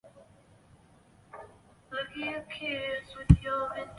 汉倭奴国王印是东汉光武帝颁授给其属国倭奴国的一枚金制王印。